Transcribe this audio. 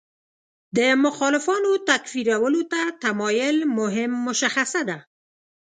د مخالفانو تکفیرولو ته تمایل مهم مشخصه ده.